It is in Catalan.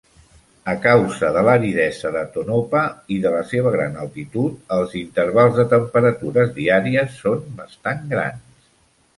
A causa de l'aridesa de Tonopah i de la seva gran altitud, els intervals de temperatures diaris són bastant grans.